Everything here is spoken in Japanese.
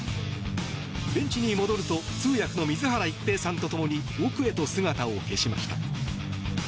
ベンチに戻ると通訳の水原一平さんとともに奥へと姿を消しました。